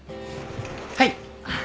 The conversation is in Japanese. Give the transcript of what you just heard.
はい。